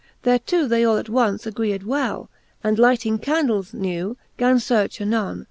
Thereto they all attonce agreed well, And lighting candles new, gan fearch anone.